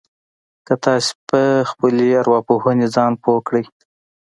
که تاسې په خپلې ارواپوهنې ځان پوه کړئ.